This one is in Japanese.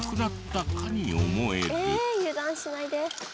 ええ油断しないで。